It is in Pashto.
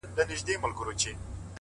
• زه يې د نوم تر يوه ټكي صدقه نه سومه،